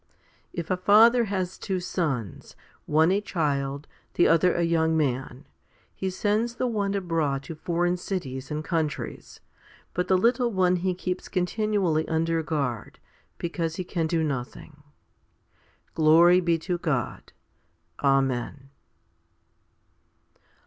If a father has two sons, one a child, the other a young man, he sends the one abroad to foreign cities and countries, but the little one he keeps continually under guard, because he can do nothing. Glory be to God. Amen.